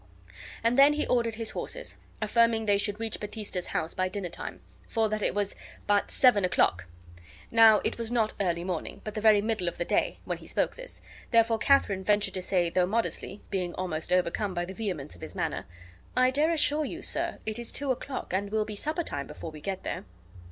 And then he ordered his horses, affirming they should reach Baptista's house by dinner time, for that it was but seven o'clock. Now it was not early morning, but the very middle of the day, when he spoke this; therefore Katharine ventured to say, though modestly, being almost overcome by the vehemence of his manner: "I dare assure you, sir, it is two o'clock, and will be suppertime before we get there."